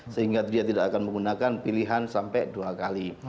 sehingga dia tidak akan menggunakan pilihan sampai dua kali